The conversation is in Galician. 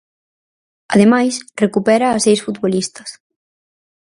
Ademais, recupera a seis futbolistas.